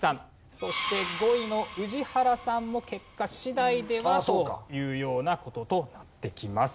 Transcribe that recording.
そして５位の宇治原さんも結果次第ではというような事となってきます。